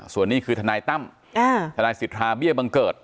ส่วนนี้คือทนายตั้มทนายสิทธาเบี้ยบังเกิด